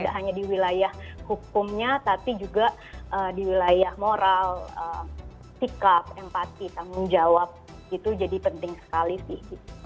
tidak hanya di wilayah hukumnya tapi juga di wilayah moral sikap empati tanggung jawab itu jadi penting sekali sih